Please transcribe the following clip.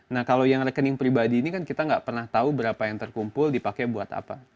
nah kalau yang rekening pribadi ini kan kita nggak pernah tahu berapa yang terkumpul dipakai buat apa